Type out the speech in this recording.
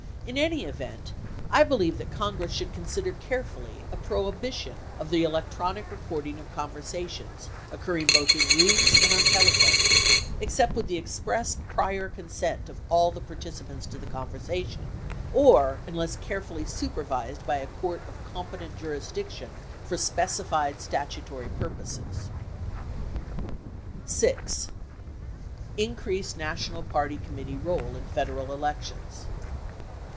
In any event, I believe that Congress should consider carefully a prohibition of the electronic recording of conversations occurring both in rooms and on telephones, except with the express prior consent of all the participants to the conversation, or unless carefully supervised by a court of competent jurisdiction for specified statutory purposes. VI. Increased national party committee role in Federal elections.